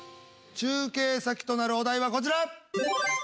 中継先となるお題はこちら。